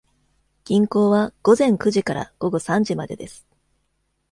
銀行は午前九時から午後三時までです。